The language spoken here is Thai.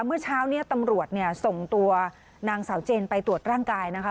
เมื่อเช้านี้ตำรวจเนี่ยส่งตัวนางสาวเจนไปตรวจร่างกายนะคะ